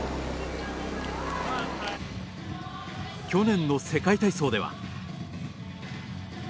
去年の世界体操では。